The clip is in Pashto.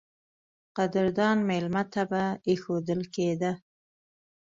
قدردان مېلمه ته به اېښودل کېده.